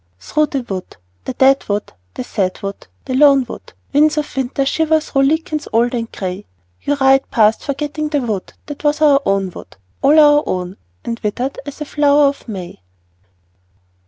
Through the wood, the dead wood, the sad wood, the lone wood, Winds of winter shiver through lichens old and grey, You ride past forgetting the wood that was our own wood, All our own and withered as ever a flower of May.